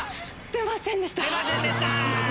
出ませんでした。